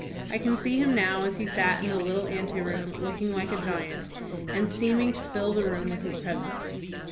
I can see him now as he sat in the little anteroom, looking like a giant, and seeming to fill the room with his presence.